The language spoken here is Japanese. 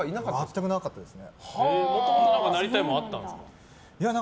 もともとなりたいものはあったんですか？